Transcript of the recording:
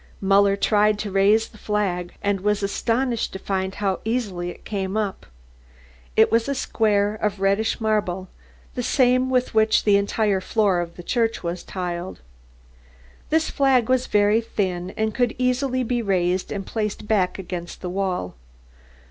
Muller tried to raise the flag and was astonished to find how easily it came up. It was a square of reddish marble, the same with which the entire floor of the church was tiled. This flag was very thin and could easily be raised and placed back against the wall.